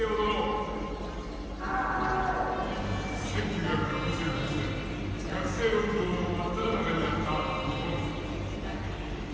今宵の１曲目は１９６８年学生運動の真っただ中にあった日本。